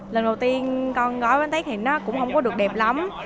lần đầu tiên con gói bánh tết thì nó cũng không có được đẹp lắm